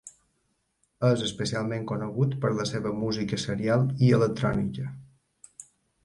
És especialment conegut per la seva música serial i electrònica.